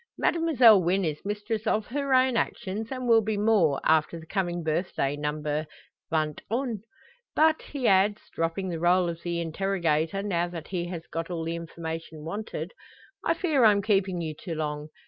Mademoiselle Wynn is mistress of her own actions, and will be more, after the coming birthday number vingt un. But," he adds, dropping the role of the interrogator, now that he has got all the information wanted, "I fear I'm keeping you too long.